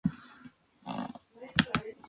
Mundua ez da oraino osoki usteldua iduriz.